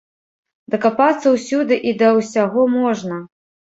Дакапацца ўсюды і да ўсяго можна.